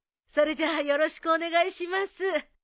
それじゃあよろしくお願いします。